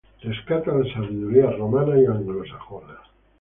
Rescata la sabiduría romana y anglosajona.